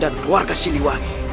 dan keluarga siliwangi